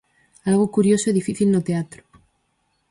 Algo curioso e difícil no teatro.